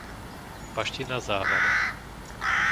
Paština Závada